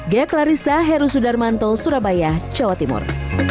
gek larissa heru sudarmanto surabaya jawa timur